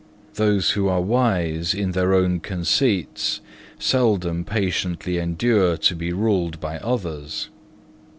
Those who are wise in their own conceits, seldom patiently endure to be ruled by others.